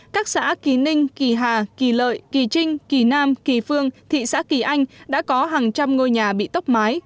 các xã kỳ ninh kỳ hà kỳ lợi kỳ trinh kỳ nam kỳ phương thị xã kỳ anh đã có hàng trăm ngôi nhà bị tốc mái